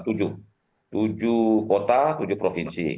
tujuh kota tujuh provinsi